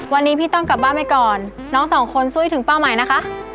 วันนี้พี่ต้องกลับบ้านไปก่อนน้องสองคนซุ้ยถึงเป้าหมายนะคะ